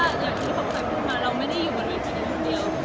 ประเภทอะเมริกามีเพื่อนสนิทไหน